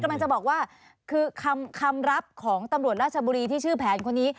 กำลังจะบอกว่าคือคำรับของตำรวจราชบุรีที่ชื่อแผนคนนี้